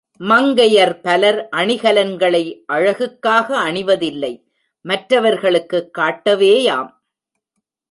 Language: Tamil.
மங்கையர் பலர் அணிகலன்களை அழகுக்காக அணிவதில்லை மற்றவர்களுக்குக் காட்டவேயாம்.